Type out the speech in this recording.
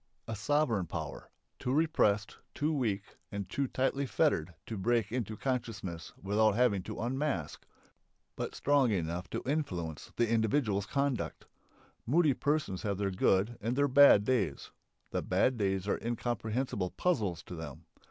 A sovereign power, too repressed, too weak, and too tightly fettered to break into consciousness without having to unmask, but strong enough to influence the individual's conduct. Moody persons have their good and their bad days. The bad days are incomprehensible puzzles to them.